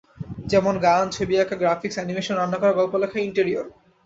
যেমন গান, ছবি আঁকা, গ্রাফিকস, অ্যানিমেশন, রান্না করা, গল্প লেখা, ইন্টেরিয়র।